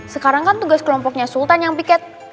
sekarang kan tugas kelompoknya sultan yang piket